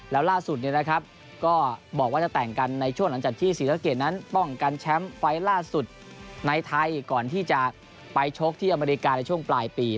แล้วล่าสุดก็บอกว่าจะแต่งกันในช่วงหลังจากที่ศรีสะเกดนั้นป้องกันแชมป์ไฟล์ล่าสุดในไทยก่อนที่จะไปชกที่อเมริกาในช่วงปลายปี